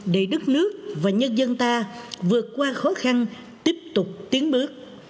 để đất nước và nhân dân ta vượt qua khó khăn tiếp tục tiến bước